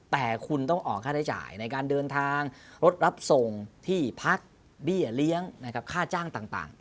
แต่คุณต้องออกค่าใช้จ่ายในการเดินทางรถรับส่งที่พักเบี้ยเลี้ยงนะครับค่าจ้างต่าง